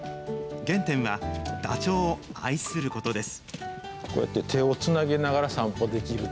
原点は、ダチョウを愛することです。